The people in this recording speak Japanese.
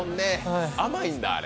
甘いんだ、あれ。